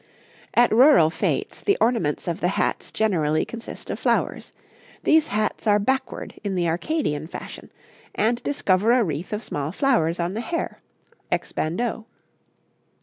'At rural fêtes, the ornaments of the hats generally consist of flowers; these hats are backward in the Arcadian fashion, and discover a wreath of small flowers on the hair, ex bandeau.